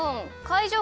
いじょう